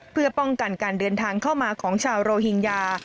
เพื่อป้องกันการเดินทางเข้ามาของชาวโรฮิงญา